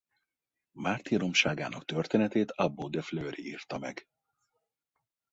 Mártíromságának történetét Abbo de Fleury írta meg.